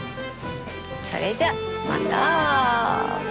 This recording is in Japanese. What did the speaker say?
それじゃあまた。